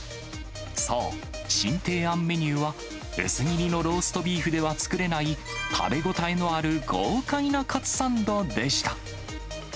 そう、新提案メニューは、薄切りのローストビーフでは作れない、食べ応えのある、豪快なカツサンドでした。